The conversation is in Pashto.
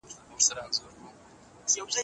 اسراف په هر څه کې بد دی.